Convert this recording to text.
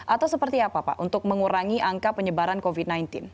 atau seperti apa pak untuk mengurangi angka penyebaran covid sembilan belas